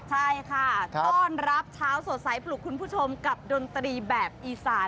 ใช่ค่ะต้อนรับเช้าสดใสปลุกคุณผู้ชมกับดนตรีแบบอีสาน